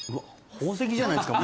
宝石じゃないですか